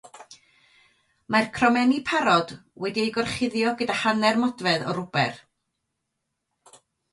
Mae'r cromenni parod wedi eu gorchuddio gyda hanner modfedd o rwber.